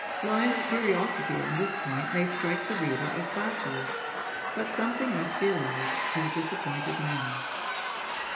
Lyon's curiosity on this point may strike the reader as fatuous, but something must be allowed to a disappointed man.